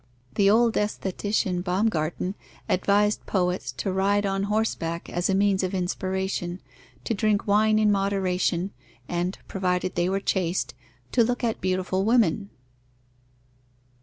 The old aesthetician Baumgarten advised poets to ride on horseback, as a means of inspiration, to drink wine in moderation, and (provided they were chaste) to look at beautiful women.